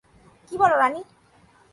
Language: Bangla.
কী বল রানী?